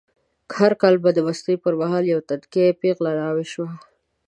هر کال به د مستۍ په مهال یوه تنکۍ پېغله ناوې شوه.